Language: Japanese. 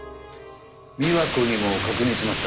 美和子にも確認しました。